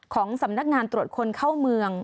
ของสำนักงานตรวจคนเข้าเมือง